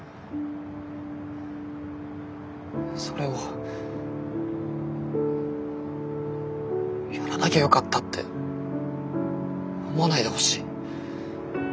それをやらなきゃよかったって思わないでほしい。